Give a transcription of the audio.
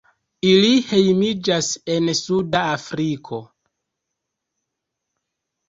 Ili hejmiĝas en Suda Afriko.